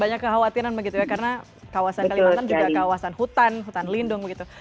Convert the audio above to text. banyak kekhawatiran begitu ya karena kawasan kalimantan juga kawasan hutan hutan lindung gitu